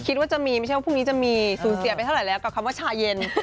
คิดว่าจะมีไม่ใช่ว่าพรุ่งนี้จะมีสูญเสียไปเท่าไหร่แล้วกับคำว่าชาเย็น